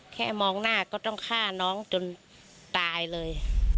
แค่มองหน้าก็ต้องฆ่าน้องจนตายเลย